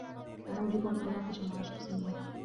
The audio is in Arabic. انا يجب ان اناقش مع شخص ما.